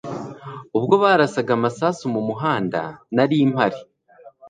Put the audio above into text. Ubwo barasaga amasasu mumuhanda Nari mpari